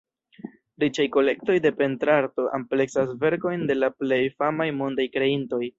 Riĉaj kolektoj de pentrarto ampleksas verkojn de la plej famaj mondaj kreintoj.